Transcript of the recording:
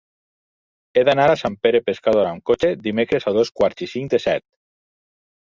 He d'anar a Sant Pere Pescador amb cotxe dimecres a dos quarts i cinc de set.